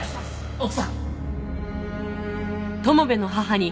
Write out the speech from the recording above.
奥さん！